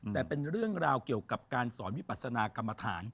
แต่เป็นเรื่องราวเกี่ยวกับการสอนวิปัสนากรรมฐาน